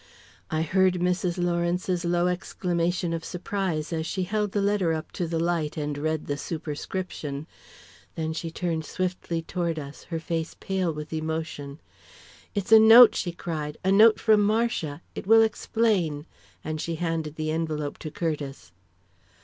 I heard Mrs. Lawrence's low exclamation of surprise, as she held the letter up to the light and read the superscription. Then she turned swiftly toward us, her face pale with emotion. "It's a note!" she cried. "A note from Marcia! It will explain!" and she handed the envelope to Curtiss.